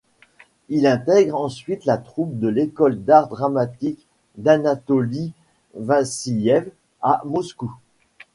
Il intègre ensuite la troupe de l’École d’Art dramatique d’Anatoli Vassiliev à Moscou.